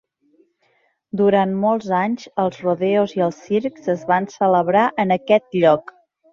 Durant molts anys, els rodeos i els circs es van celebrar en aquest lloc.